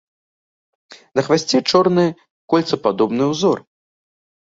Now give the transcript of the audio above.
На хвасце чорны кольцападобны ўзор.